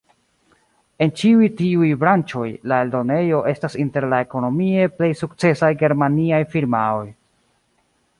En ĉiuj tiuj branĉoj, la eldonejo estas inter la ekonomie plej sukcesaj germaniaj firmaoj.